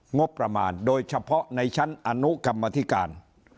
งบประมาณโดยเฉพาะในชั้นอนุกรรมธิการ